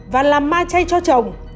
và làm ma chay cho chồng